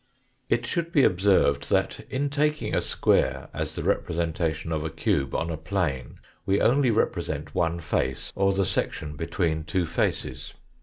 It should be observed that, in taking a square as the representation of a cube on a plane, we only represent one face, or the section between two faces.